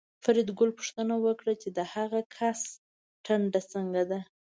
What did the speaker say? فریدګل پوښتنه وکړه چې د هغه کس ټنډه څنګه ده